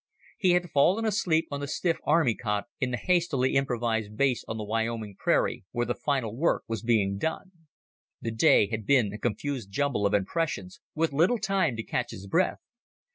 He had fallen asleep on the stiff army cot in the hastily improvised base on the Wyoming prairie where the final work was being done. The day had been a confused jumble of impressions, with little time to catch his breath.